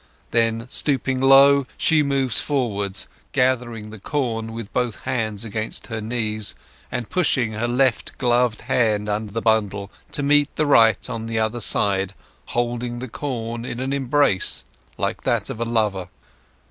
Then, stooping low, she moves forward, gathering the corn with both hands against her knees, and pushing her left gloved hand under the bundle to meet the right on the other side, holding the corn in an embrace like that of a lover.